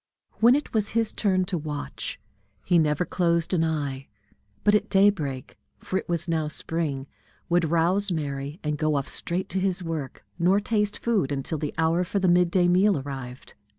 When it was his turn to watch, he never closed an eye, but at daybreak for it was now spring would rouse Mary, and go off straight to his work, nor taste food until the hour for the mid day meal arrived.